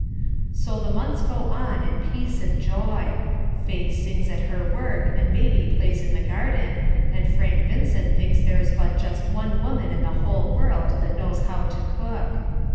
So the months go on in peace and joy. Faith sings at her work, and baby plays in the garden, and Frank Vincent thinks there is but just one woman in the whole world that knows how to cook.